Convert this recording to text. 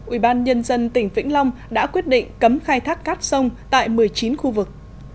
ubnd tỉnh vĩnh long đã quyết định cấm khai thác cát sông tại một mươi chín khu vực